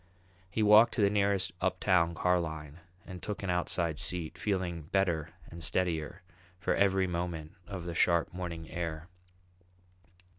He walked to the nearest uptown car line and took an outside seat, feeling better and steadier for every moment of the sharp morning air.